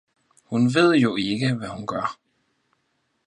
Hun veed jo ikke, hvad hun gjør